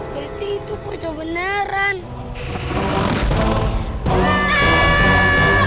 nggak kerpo kerpo kemanaan kita